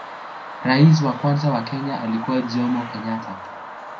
rais wa kwanza wa kenya alikuwa jomo kenyatta